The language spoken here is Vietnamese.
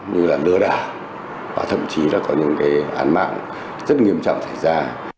như là đưa đà và thậm chí là có những cái án mạng rất nghiêm trọng xảy ra